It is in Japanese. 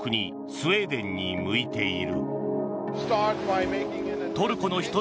スウェーデンに向いている。